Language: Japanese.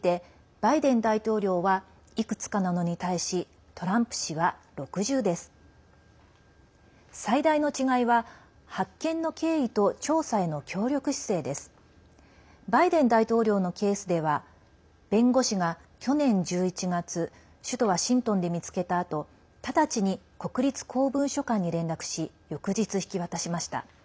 バイデン大統領のケースでは弁護士が去年１１月首都ワシントンで見つけたあと直ちに国立公文書館に連絡し翌日、引き渡しました。